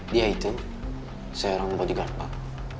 dia itu seorang bodyguard bang